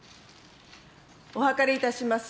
お諮りいたします。